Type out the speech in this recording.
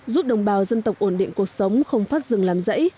giúp đồng bào dân tộc ổn định cuộc sống không phát dừng làm dãy